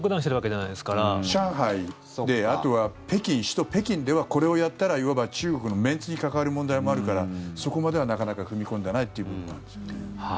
上海であとは北京でこれをやったらいわば中国のメンツに関わる問題もあるからそこまではなかなか踏み込んでいない状況がありますね。